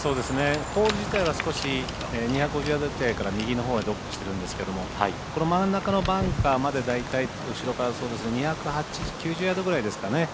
ホール自体は少し２５０ヤードから右のほうへドロップしてるんですけどこの真ん中のバンカーまで後ろから２９０ヤードぐらいですかね